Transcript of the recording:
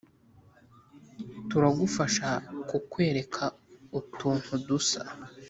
turagufasha kukwereka utuntu dusa